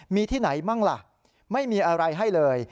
มีที่ไหนบ้างล่ะไม่มีอะไรให้เลย